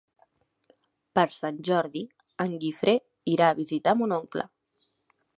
Per Sant Jordi en Guifré irà a visitar mon oncle.